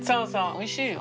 おいしいよ。